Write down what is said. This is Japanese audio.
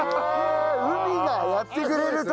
海がやってくれると。